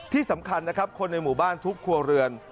ที่สำคัญนะครับคนในหมู่บ้านทุกครัวเรือน